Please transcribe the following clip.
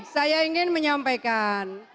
saya ingin menyampaikan